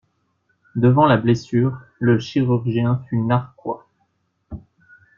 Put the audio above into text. Devant la blessure, le chirurgien fut narquois.